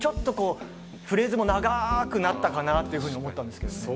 フレーズも長くなったかなと思ったんですけど。